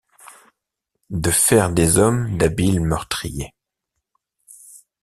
De faire des hommes d’habiles meurtriers.